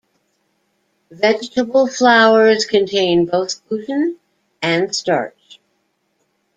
Vegetable flours contain both gluten and starch.